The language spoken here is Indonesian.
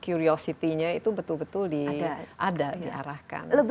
curiosity nya itu betul betul di ada diarahkan